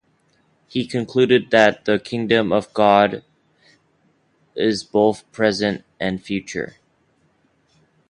He concluded that the kingdom of God is both present and future.